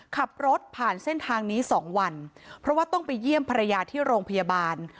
ขับรถผ่านเส้นทางนี้สองวันเพราะว่าต้องไปเยี่ยมภรรยาที่โรงพยาบาล